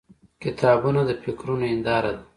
• کتابونه د فکرونو هنداره ده.